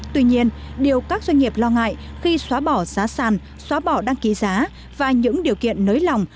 tuy nhiên điều các doanh nghiệp lo ngại khi xóa bỏ giá sàn xóa bỏ đăng ký giá và những điều kiện nới lỏng